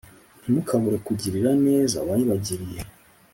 Ntimukabure kugirira ineza uwayibagiriye